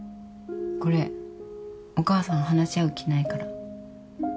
これお母さん話し合う気ないから。